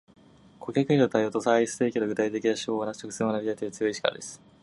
顧客への対応とサービス提供の具体的な手法を直接学びたいという強い意志からです